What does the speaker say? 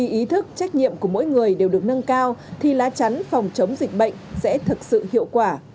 ý thức trách nhiệm của mỗi người đều được nâng cao thì lá chắn phòng chống dịch bệnh sẽ thực sự hiệu quả